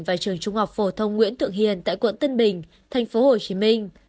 và trường trung học phổ thông nguyễn thượng hiền tại quận tân bình thành phố hồ chí minh